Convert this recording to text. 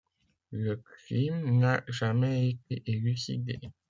Le crime n'a jamais été élucidé.